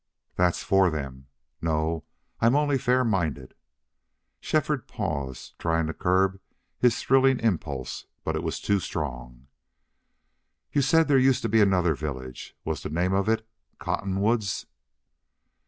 "That's for them." "No. I'm only fair minded." Shefford paused, trying to curb his thrilling impulse, but it was too strong. "You said there used to be another village.... Was the name of it Cottonwoods?"